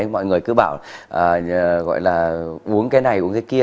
mọi người cứ bảo gọi là uống cái này uống thế kia